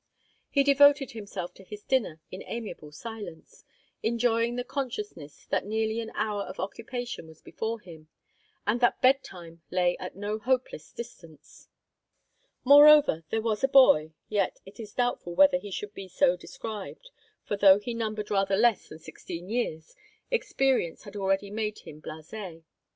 He devoted himself to his dinner in amiable silence, enjoying the consciousness that nearly an hour of occupation was before him, and that bed time lay at no hopeless distance. Moreover, there was a boy yet it is doubtful whether he should be so described; for, though he numbered rather less than sixteen years, experience had already made him blase.